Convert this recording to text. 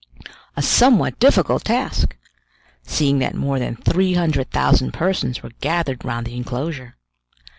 A somewhat difficult task! seeing that more than 300,000 persons were gathered round the enclosure.